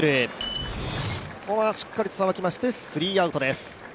ここはしっかりとさばきまして、スリーアウトです。